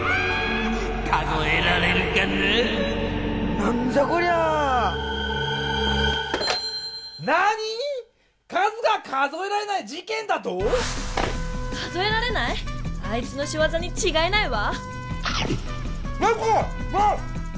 なんじゃこりゃあ⁉なにぃ⁉数が数えられないじけんだと⁉数えられない⁉あいつのしわざにちがいないわ。